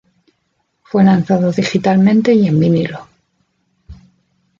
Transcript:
Fue lanzado digitalmente y en vinilo.